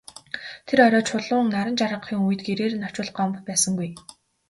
Тэр орой Чулуун наран жаргахын үед гэрээр нь очвол Гомбо байсангүй.